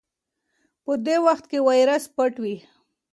په دې وخت کې وایرس پټ وي.